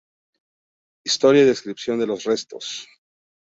Historia y descripción de los restos